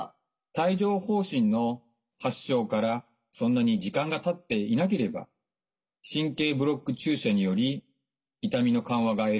帯状ほう疹の発症からそんなに時間がたっていなければ神経ブロック注射により痛みの緩和が得られる可能性が高いです。